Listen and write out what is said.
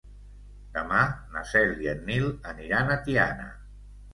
Demà na Cel i en Nil aniran a Tiana.